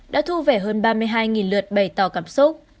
đã thu về hơn ba mươi hai lượt bày tỏ cảm xúc